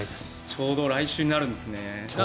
ちょうど来週になるんですね。